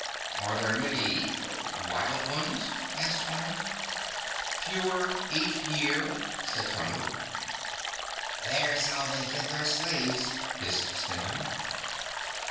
"Are there many ... wild ones?" asked Orne. "Fewer each year," said Tanub. "There's how they get their slaves," hissed Stetson.